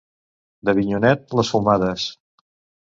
D'Avinyonet, les fumades.